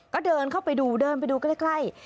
ก็เดินเข้าไปดูเดินไปดูใกล้